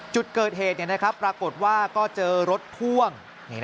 จุดเกิดเหตุปรากฏว่าก็เจอรถพ่วง